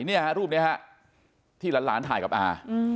นี่ฮะรูปนี้ฮะที่หลานถ่ายกับอา